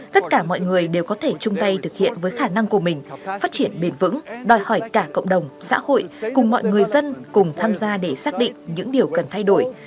tất cả mọi người đều có thể chung tay thực hiện với khả năng của mình phát triển bền vững đòi hỏi cả cộng đồng xã hội cùng mọi người dân cùng tham gia để xác định những điều cần thay đổi